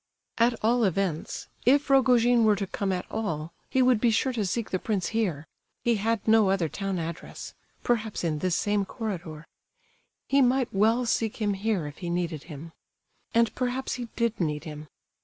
At all events, if Rogojin were to come at all he would be sure to seek the prince here—he had no other town address—perhaps in this same corridor; he might well seek him here if he needed him. And perhaps he did need him.